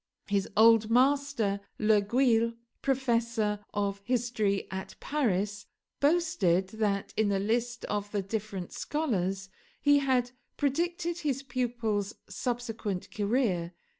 His old master, Le Guille, professor of history at Paris, boasted that, in a list of the different scholars, he had predicted his pupil's subsequent career.